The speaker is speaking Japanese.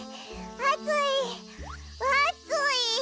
あついあつい。